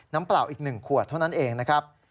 น้ำเปล่าอีกหนึ่งขวดเท่านั้นเองนะครับ